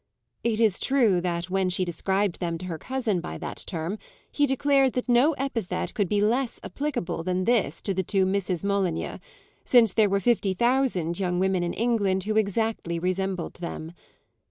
It is true that when she described them to her cousin by that term he declared that no epithet could be less applicable than this to the two Misses Molyneux, since there were fifty thousand young women in England who exactly resembled them.